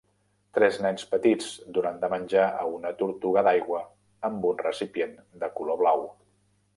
Tres nens petits donant de menjar a una tortuga d"aigua amb un recipient de color blau.